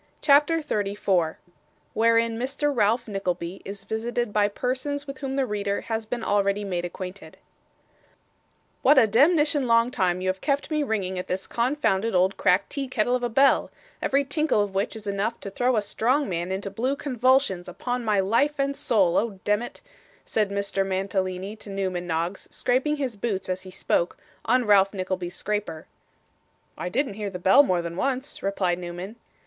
CHAPTER 34 Wherein Mr. Ralph Nickleby is visited by Persons with whom the Reader has been already made acquainted 'What a demnition long time you have kept me ringing at this confounded old cracked tea kettle of a bell, every tinkle of which is enough to throw a strong man into blue convulsions, upon my life and soul, oh demmit,' said Mr. Mantalini to Newman Noggs, scraping his boots, as he spoke, on Ralph Nickleby's scraper. 'I didn't hear the bell more than once,' replied Newman.